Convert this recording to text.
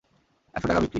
একশো টাকা বিক্রি!